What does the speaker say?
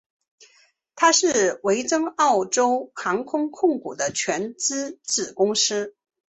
它是维珍澳洲航空控股的全资子公司。